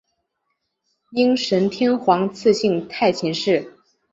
应神天皇赐姓太秦氏。